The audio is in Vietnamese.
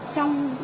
trong nhà bán chú